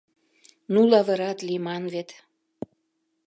— Ну лавырат лийман вет!